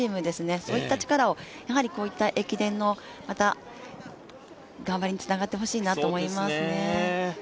そういった力が駅伝の頑張りにつながってほしいなと思いますね。